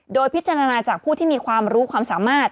โดยพิจารณาจากผู้ที่มีความรู้ความสามารถ